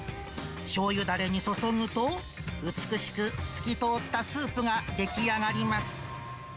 しょうゆだれに注ぐと、美しく透き通ったスープが出来上がります。